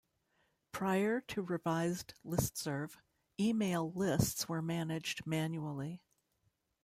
Prior to Revised Listserv, email lists were managed manually.